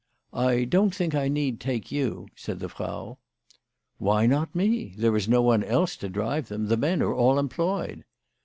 " I don't think I need take you," said the Frau. " Why not me ? There is no one else to drive them. The men are all employed."